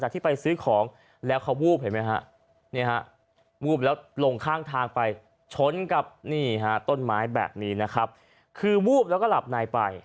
ที่ไปซื้อของแล้วเขาวูบเห็นไหมฮะวูบแล้วลงข้างทางไปชนกับนี่ฮะต้นไม้แบบนี้นะครับคือวูบแล้วก็หลับในไป